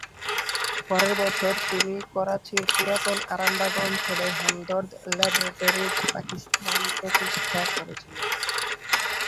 পরের বছর তিনি করাচির পুরাতন আরামবাগ অঞ্চলে হামদর্দ ল্যাবরেটরিজ পাকিস্তান প্রতিষ্ঠা করেছিলেন।